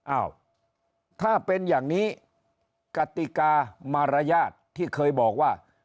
อ้าวถ้าเป็นอย่างนี้กติกามารยาทที่เคยบอกว่า